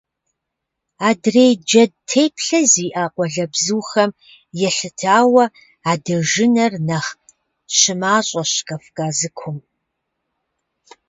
Адрей джэд теплъэ зиӀэ къуалэбзухэм елъытауэ адэжынэр нэхъ щымащӀэщ Кавказыкум.